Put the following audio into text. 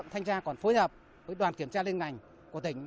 thành ra còn phối hợp với đoàn kiểm tra lên ngành của tỉnh